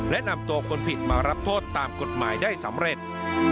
และนำตัวคนผิดมารับโทษตามกฎหมายได้สำเร็จ